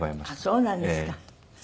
そうなんです。